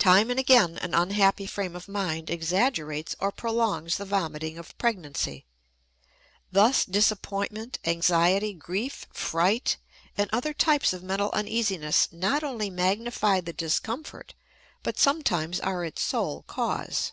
Time and again an unhappy frame of mind exaggerates or prolongs the vomiting of pregnancy. Thus, disappointment, anxiety, grief, fright, and other types of mental uneasiness not only magnify the discomfort but sometimes are its sole cause.